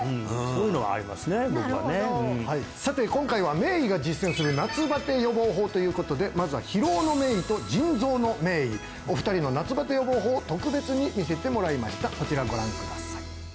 僕はねなるほどさて今回は名医が実践する夏バテ予防法ということでまずは疲労の名医と腎臓の名医お二人の夏バテ予防法を特別に見せてもらいましたこちらご覧ください